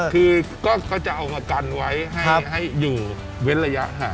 คือก็จะเอามากันไว้ให้อยู่เว้นระยะห่าง